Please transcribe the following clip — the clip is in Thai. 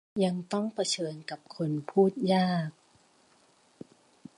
ยังต้องเผชิญกับคนพูดยาก